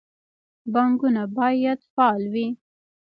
بانکونه باید فعال وي